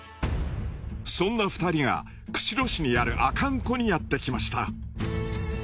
そんな２人が釧路市にある阿寒湖にやってきました。